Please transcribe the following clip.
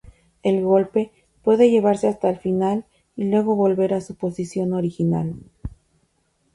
El golpe puede llevarse hasta el final y luego volver a su posición original.